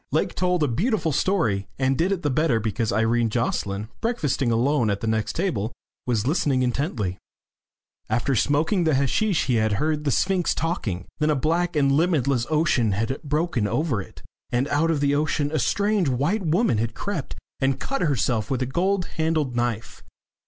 Lake told a beautiful story, and did it the better because Irene Jocelyn, breakfasting alone at the next table, was listening intently. After smoking the hasheesh he had heard the Sphinx talking. Then a black and limitless ocean had broken over it, and out of the ocean a strange white woman had crept and cut herself with a gold handled knife.